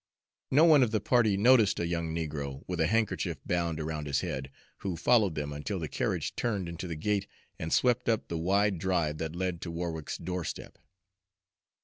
No one of the party noticed a young negro, with a handkerchief bound around his head, who followed them until the carriage turned into the gate and swept up the wide drive that led to Warwick's doorstep.